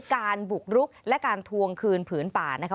การบุกรุกและการทวงคืนผืนป่านะคะ